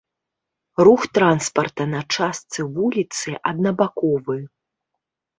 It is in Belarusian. Рух транспарта на частцы вуліцы аднабаковы.